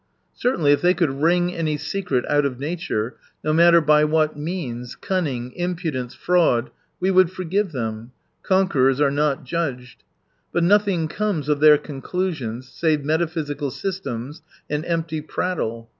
Certainly if they could wring any secret out ■of nature, no matter by what means, cunning, impudence, fraud, we would forgive them — conquerors are not judged. But nothing comes of their " conclusions " save meta physical systems and empty prattle.